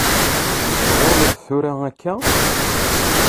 Mecɣuleḍ tura akka?